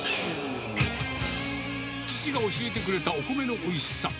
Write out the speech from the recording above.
父が教えてくれたお米のおいしさ。